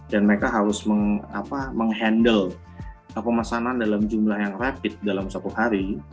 dan mereka harus meng handle pemasanan dalam jumlah yang rapid dalam satu hari